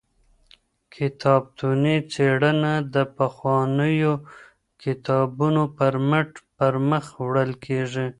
کتابتوني څېړنه د پخوانیو کتابونو پر مټ پرمخ وړل کیږي.